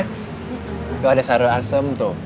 tuh ada sarul asem tuh